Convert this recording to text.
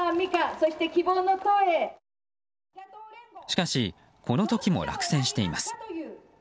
しかし、この時も落選しています。